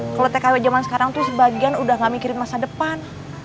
kalau tkw zaman sekarang tuh sebagian udah gak mikirin masa depan